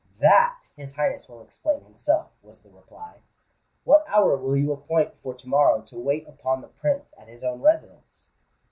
"That his Highness will himself explain," was the reply. "What hour will you appoint for to morrow to wait upon the Prince at his own residence?"